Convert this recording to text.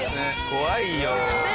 怖いよ。